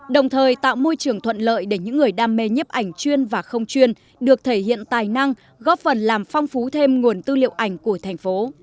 đồng thời tạo môi trường thuận lợi để những người đam mê nhấp ảnh chuyên và không chuyên được thể hiện tài năng góp phần làm phong phú thêm nguồn tư liệu ảnh của thành phố